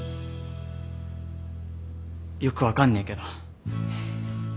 よく分かんねえけど。